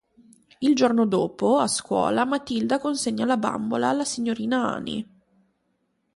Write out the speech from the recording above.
Il giorno dopo a scuola, Matilda consegna la bambola alla signorina Honey.